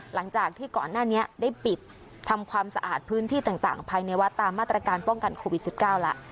หลังจากที่ก่อนหน้านี้ได้ปิดทำความสะอาดพื้นที่ต่างภายในวัดตามมาตรการป้องกันโควิด๑๙แล้ว